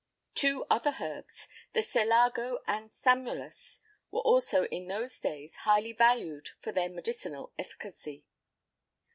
Two other herbs, the selago and samolus were also in those days highly valued for their medicinal efficacy.